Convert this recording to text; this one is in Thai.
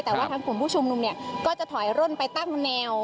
แต่ว่าทั้งคุณผู้ชุมนุมก็จะถอยร่นไปตั้งแนว